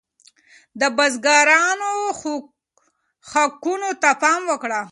ده د بزګرانو حقونو ته پام وکړ.